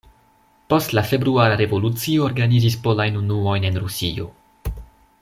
Post la februara revolucio organizis polajn unuojn en Rusio.